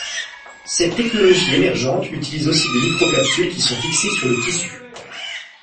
Cette technologie émergente utilise aussi des microcapsules qui sont fixées sur le tissu.